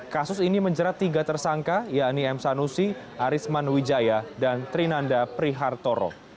kasus ini menjerat tiga tersangka yakni m sanusi arisman wijaya dan trinanda prihartoro